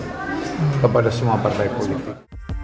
assalamu'alaikum warahmatullahi wabarakatuh